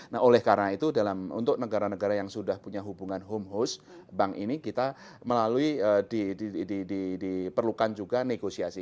nah oleh karena itu untuk negara negara yang sudah punya hubungan home hose bank ini kita melalui diperlukan juga negosiasi